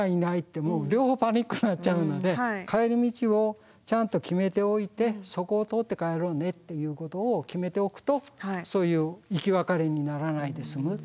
もう両方パニックになっちゃうので帰り道をちゃんと決めておいてそこを通って帰ろうねっていうことを決めておくとそういう行き別れにならないで済むということだと思います。